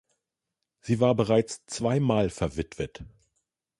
Sie war bereits zweimal verwitwet.